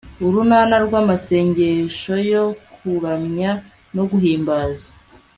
urunana rw amasengeshoyo kuramya noguhimbaza